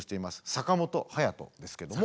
坂本勇人ですけども。